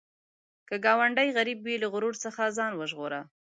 که ګاونډی غریب وي، له غرور څخه ځان وژغوره